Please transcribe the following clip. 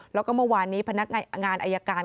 แล้วก็เมื่อวานนี้พนักงานอายการ